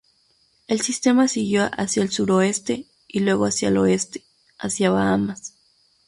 El sistema siguió hacia el suroeste y luego hacia el oeste, hacia Bahamas.